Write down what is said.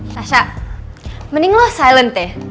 sasha mending lo silent deh